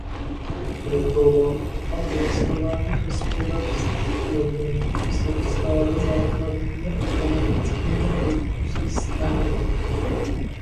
Rybolov a pěstování hospodářských plodin jsou stále základními ekonomickými pilíři státu.